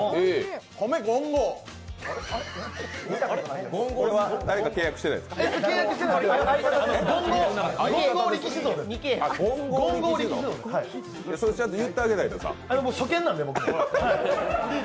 それはちゃんと言ってあげないとさ。